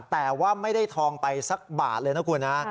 แต่ว่าไม่ได้ทองไปสักบาทเลยนะคุณนะ